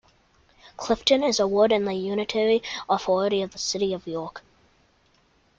Clifton is a ward in the Unitary Authority of the City of York.